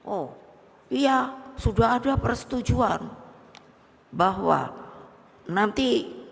oh iya sudah ada persetujuan bahwa nanti